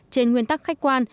trên nguyên tắc khách quan